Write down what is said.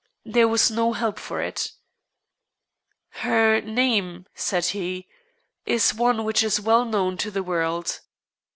There was no help for it. "Her name," said he, "is one which is well known to the world.